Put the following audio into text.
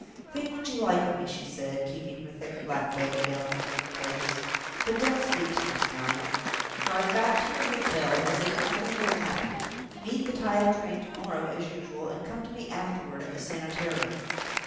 "Think what you like of me," she said, keeping her thick black veil down over her face, "but don't speak to me to night. Drive back to your hotel as if nothing had happened. Meet the tidal train to morrow as usual, and come to me afterward at the Sanitarium.